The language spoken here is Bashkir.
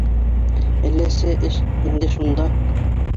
— Әлләсе, эш инде шунда